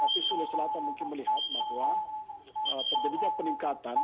tapi sulawesi selatan mungkin melihat bahwa terjadinya peningkatan